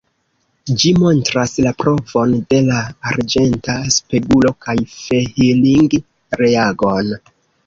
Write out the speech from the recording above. Ĝi montras la provon de la arĝenta spegulo kaj Fehling-reagon.